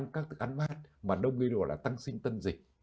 các thức ăn mát mà đông ghi được là tăng sinh tân dịch